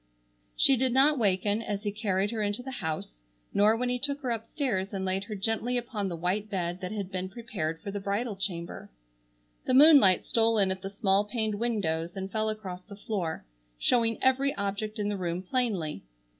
She did not waken as he carried her into the house, nor when he took her upstairs and laid her gently upon the white bed that had been prepared for the bridal chamber. The moonlight stole in at the small paned windows and fell across the floor, showing every object in the room plainly.